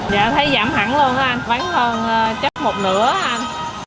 dạ thấy giảm hẳn luôn á anh bán hơn chắc một nửa á anh